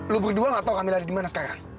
lu berdua nggak tahu kamil ada di mana sekarang